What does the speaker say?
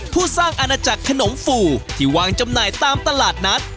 สร้างอาณาจักรขนมฟูที่วางจำหน่ายตามตลาดนัด